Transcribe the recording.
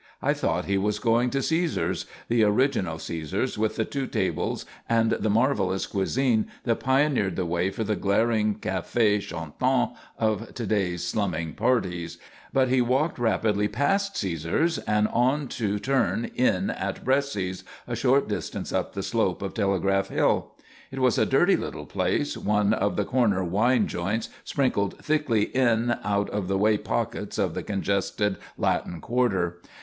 I thought he was going to Cæsar's the original Cæsar's with the two tables and the marvellous cuisine that pioneered the way for the glaring café chantant of to day's slumming parties, but he walked rapidly past Cæsar's and on to turn in at Bresci's, a short distance up the slope of Telegraph Hill. It was a dirty little place, one of the corner "wine joints" sprinkled thickly in out of the way pockets of the congested Latin quarter.